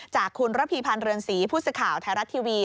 จากคุณระภีพันธ์เรือนสีพุศข่าวไทยรัตน์ทีวี